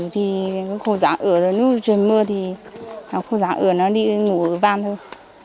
thì có khu rã ửa lúc trời mưa thì khu rã ửa nó đi ngủ ở van thôi